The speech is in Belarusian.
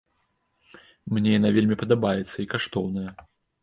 Мне яна вельмі падабаецца і каштоўная.